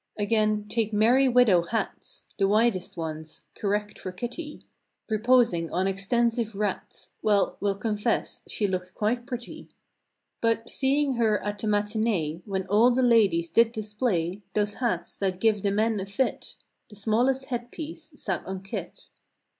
Again, take "Merry Widow" hats— The widest ones—correct for Kitty; Reposing on extensive rats— Well, we'll confess, she looked quite pretty. But, see her at the matinee When all the ladies did display Those hats that give the men a fit— The smallest head piece sat on Kit.